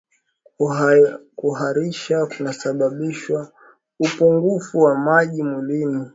kuharisha kunasababisha upungufu wa maji mwilini